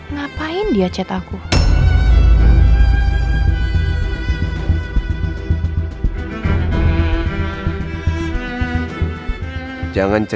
makanan kesuatan saya apa